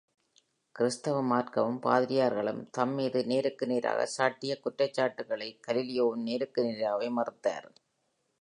கிறித்தவ மார்க்கமும், பாதிரியார்களும் தம் மீது நேருக்கு நேராகக் சாட்டியக் குற்றச்சாட்டுக்கனைக் கலீலியோவும் நேருக்கு நேராகவே மறுத்தார்!